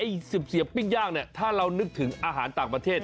เสียบเสียบปิ้งย่างเนี่ยถ้าเรานึกถึงอาหารต่างประเทศ